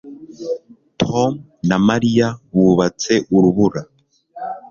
Tom na Mariya bubatse urubura